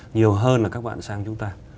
nhiều hơn là các bạn sang chúng ta